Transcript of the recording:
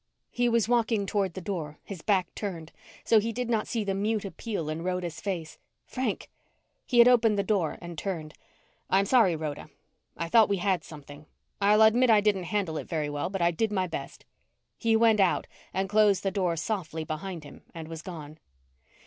He was walking toward the door, his back turned, so he did not see the mute appeal in Rhoda's face. "Frank !" He had opened the door and turned. "I'm sorry, Rhoda. I thought we had something. I'll admit I didn't handle it very well but I did my best." He went out and closed the door softly behind him and was gone.